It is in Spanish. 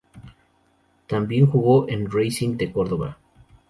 Tambien jugo en Racing de Cordoba.